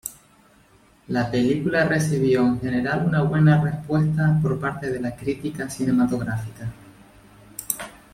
La película recibió en general una buena respuesta por parte de la crítica cinematográfica.